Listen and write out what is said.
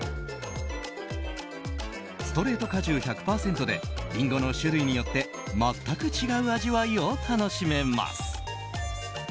ストレート果汁１００％でリンゴの種類によって全く違う味わいを楽しめます。